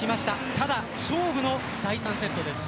ただ勝負の第３セットです。